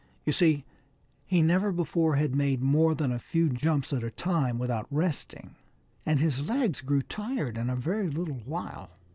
You see he never before had made more than a few jumps at a time without resting, and his legs grew tired in a very little while.